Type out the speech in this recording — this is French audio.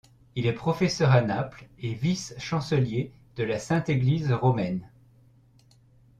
Il est professeur à Naples et vice-chancelier de la Sainte Église romaine.